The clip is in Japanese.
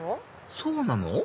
そうなの？